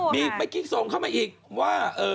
มีเมื่อกี้ส่งเข้ามาอีกว่า